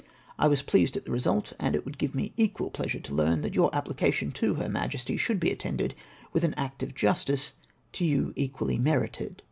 I was pleased at tbe result, and it would give me equal pleasure to learn that your application to her Majesty should be* attended with an act of justice to you equally merited.